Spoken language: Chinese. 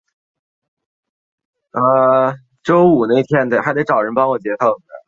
斑脊冠网蝽为网蝽科冠网蝽属下的一个种。